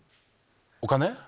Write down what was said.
お金？